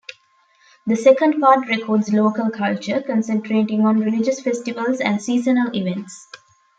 The second part records local culture, concentrating on religious festivals and seasonal events.